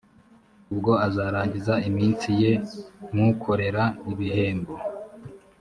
ubwo azarangiza iminsi ye nk ukorera ibihembo